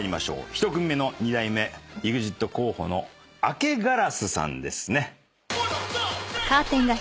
１組目の二代目ＥＸＩＴ候補のアケガラスさんですね。